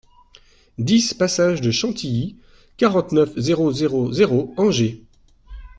dix pASSAGE DE CHANTILLY, quarante-neuf, zéro zéro zéro, Angers